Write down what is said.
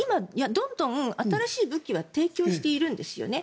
どんどん新しい武器は提供しているんですよね。